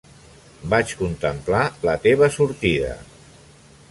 Vaig contemplar la teva sortida.